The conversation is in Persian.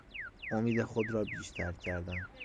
امید خود را بیشتر کردن